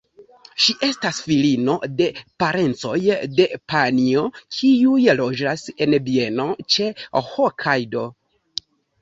Ŝi estas filino de parencoj de Panjo, kiuj loĝas en bieno ĉe Hokajdo.